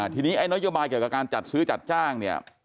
ทีนี้นโยบายเกี่ยวกับการจัดซื้อจัดจ้าง